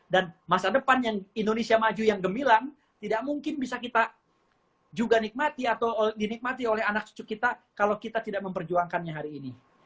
dan masa depan yang indonesia maju yang gemilang tidak mungkin bisa kita juga nikmati atau dinikmati oleh anak cucu kita kalau kita tidak memperjuangkannya hari ini